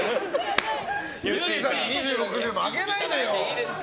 ゆってぃに２６秒もあげないでよ。